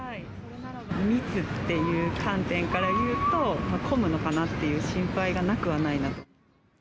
密っていう観点からいうと、混むのかなという心配がなくはない。